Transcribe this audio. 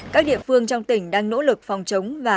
các địa phương trong tỉnh đang nỗ lực phòng chống và